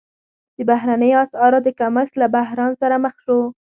د بهرنیو اسعارو د کمښت له بحران سره مخ شو.